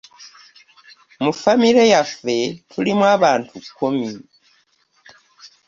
Mu famire yaffe tulimu abantu kkumi.